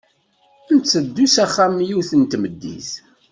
Ntteddu s axxam yiwet n tmeddit.